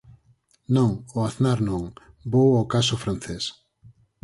Non, o Aznar non, vou ao caso francés.